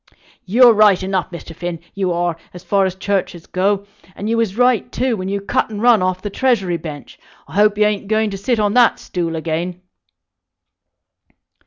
You're right enough, Mr. Finn, you are, as far as churches go, and you was right, too, when you cut and run off the Treasury Bench. I hope you ain't going to sit on that stool again."